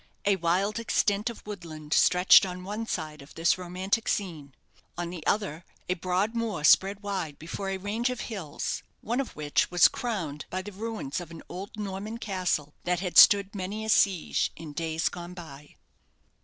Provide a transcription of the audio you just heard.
A wild extent of woodland stretched on one side of this romantic scene; on the other a broad moor spread wide before a range of hills, one of which was crowned by the ruins of an old Norman castle that had stood many a siege in days gone by.